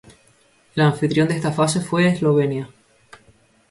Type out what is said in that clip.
El anfitrión de esta fase fue Eslovenia.